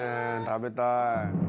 食べたい。